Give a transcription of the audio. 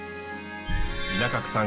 稲角さん